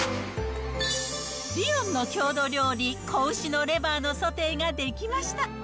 リヨンの郷土料理、子牛のレバーのソテーが出来ました。